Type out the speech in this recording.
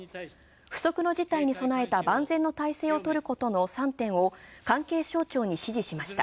不測の事態に備えた万全の態勢を取ることの３点を関係省庁に支持しました。